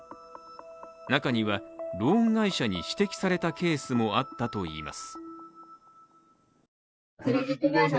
中には、ローン会社に指摘されたケースもあったといいます。